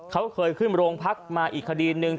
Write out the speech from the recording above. เขาเคยขึ้นโรงพักมาอีกคดีนึง